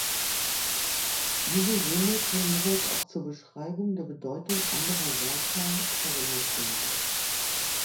Diese Seme können jeweils auch zur Beschreibung der Bedeutung anderer Wörter verwendet werden.